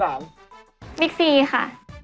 อ่าอ่า